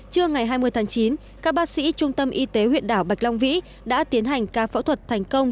trưa ngày hai mươi tháng chín các bác sĩ trung tâm y tế huyện đảo bạch long vĩ đã tiến hành ca phẫu thuật thành công